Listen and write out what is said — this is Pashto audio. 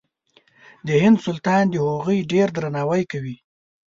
د هند سلطان د هغوی ډېر درناوی کوي.